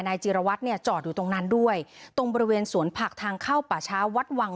จีรวัตรเนี่ยจอดอยู่ตรงนั้นด้วยตรงบริเวณสวนผักทางเข้าป่าช้าวัดวัง